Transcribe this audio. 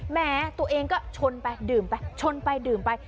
แม้ตัวเองก็ชนไปดื่มไปชนไปดื่มไป